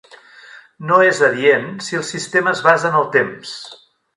No és adient si el sistema es basa en el temps.